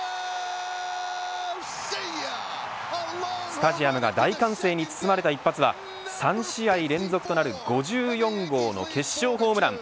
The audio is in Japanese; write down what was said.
スタジアムが大歓声に包まれた一発は３試合連続となる５４号の決勝ホームラン。